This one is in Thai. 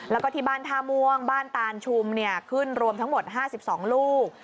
แล้วก็ที่บ้านท่าม่วงบ้านตานชุมขึ้นรวมทั้งหมด๕๒ลูก